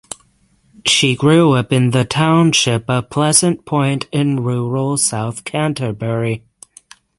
She grew up in the township of Pleasant Point in rural south Canterbury.